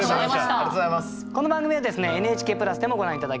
この番組はですねＮＨＫプラスでもご覧頂けます。